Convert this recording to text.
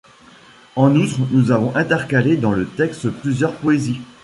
En outre nous avons intercalé dans le texte plusieurs poésies.